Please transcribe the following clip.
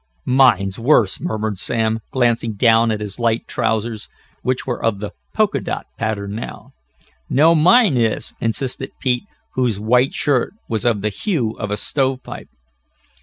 "Mine's worse!" murmured Sam, glancing down at his light trousers, which were of the polka dot pattern now. "No, mine is," insisted Pete, whose white shirt was of the hue of a stove pipe.